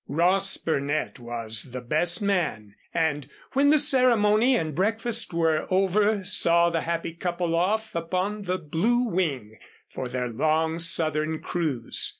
Ross Burnett was best man and, when the ceremony and breakfast were over, saw the happy couple off upon the Blue Wing, for their long Southern cruise.